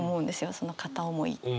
その片思いとかって。